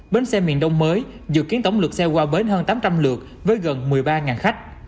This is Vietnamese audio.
bến xe miền đông mới dự kiến tổng lượt xe qua bến hơn tám trăm linh lượt với gần một mươi ba khách